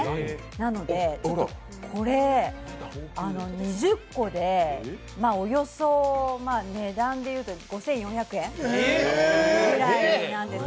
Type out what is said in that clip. なので、これ、２０個でおよそ値段でいうと５４００円ぐらいなんです。